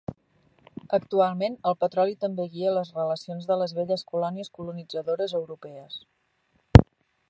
Actualment, el petroli també guia les relacions de les velles colònies colonitzadores europees.